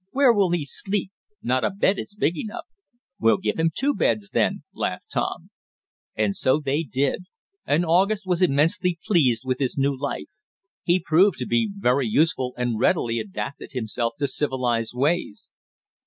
Where will he sleep? Not a bed is big enough!" "We'll give him two beds then," laughed Tom. And so they did, and August was immensely pleased with his new life. He proved to be very useful, and readily adapted himself to civilized ways.